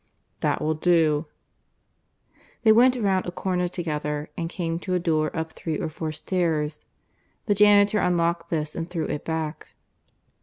"That will do." They went round a corner together and came to a door up three or four stairs. The janitor unlocked this and threw it back.